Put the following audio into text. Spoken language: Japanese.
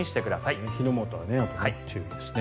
あと火の元に注意ですね。